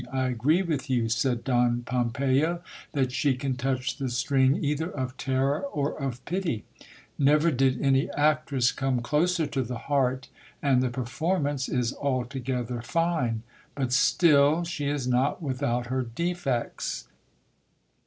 I agree with you, said Don Pompeyo, that she can touch the string either of terror or of pity : never did any actress come closer to the heart, and the performance is altogether fine ; but still she is not without her defects.